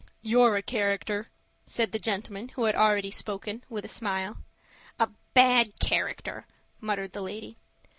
"You're a character," said the gentleman who had already spoken, with a smile. "A bad character!" muttered the lady.